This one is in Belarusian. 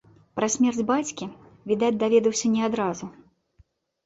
Пра смерць бацькі, відаць, даведаўся не адразу.